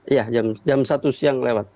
iya jam satu siang lewat